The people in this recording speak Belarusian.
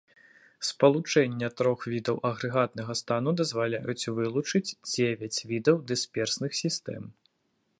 Спалучэння трох відаў агрэгатнага стану дазваляюць вылучыць дзевяць відаў дысперсных сістэм.